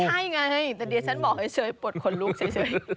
ใช่ไงแต่ดิฉันบอกเฉยปลดขนลุกเฉย